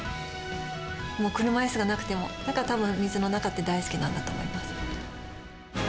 もう車いすがなくても、だからたぶん、水の中って大好きなんだと思います。